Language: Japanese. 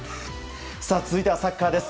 続いてはサッカーです。